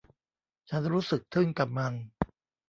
ฉันรู้สึกทึ่งกับมัน